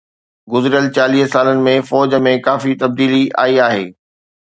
گذريل چاليهه سالن ۾ فوج ۾ ڪافي تبديلي آئي آهي